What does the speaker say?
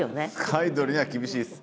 アイドルには厳しいです。